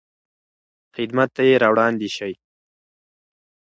خدمت ته یې راوړاندې شئ.